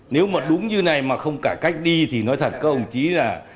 nếu mà đúng như này mà không cải cách đi thì nói thật các hồng chí là